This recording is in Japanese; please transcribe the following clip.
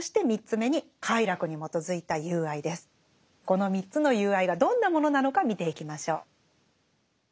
この３つの友愛がどんなものなのか見ていきましょう。